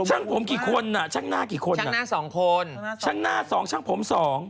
ช่างผมกี่คนอ่ะช่างหน้ากี่คนอ่ะหน้าสองคนช่างหน้าสองช่างผมสอง